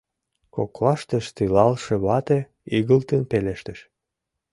Коклаштышт илалше вате игылтын пелештыш: